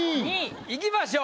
いきましょう。